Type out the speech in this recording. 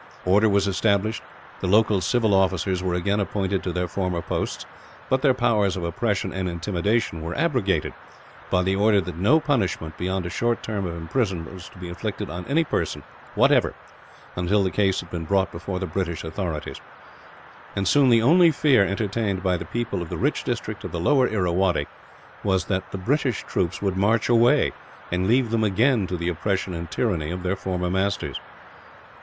Order was established. The local civil officers were again appointed to their former posts, but their powers of oppression and intimidation were abrogated, by the order that no punishment beyond a short term of imprisonment was to be inflicted on any person, whatever, until the case had been brought before the British authorities; and soon the only fear entertained by the people of the rich district of the lower Irrawaddy was that the British troops would march away, and leave them again to the oppression and tyranny of their former masters.